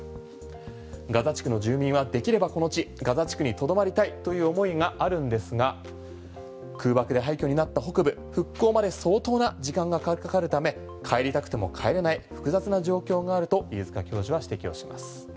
ガザ地区の住民はできればこの地ガザ地区にとどまりたいという思いがあるんですが空爆で廃墟になった北部復興まで相当な時間がかかるため帰りたくても帰れない複雑な状況があると飯塚教授は指摘をします。